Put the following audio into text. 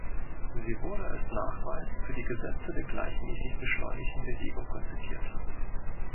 Sie wurde als Nachweis für die Gesetze der gleichmäßig beschleunigten Bewegung konzipiert.